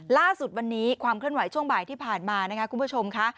ล่าสุดวันนี้ความเคลื่อนไหวช่วงบ่ายที่ผ่านมานะคะคุณผู้ชมค่ะ